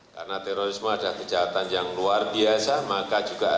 karena terorisme adalah kejahatan yang luar biasa maka juga asal